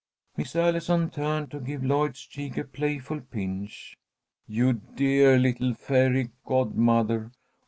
Miss Allison turned to give Lloyd's cheek a playful pinch. "You dear little fairy godmother!